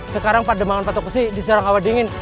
sekarang pademangan patok besi diserang awa dingin